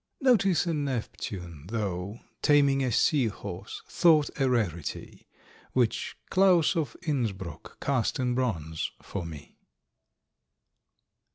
Notice Neptune, though, Taming a sea horse, thought a rarity, Which Claus of Innsbruck cast in bronze for me!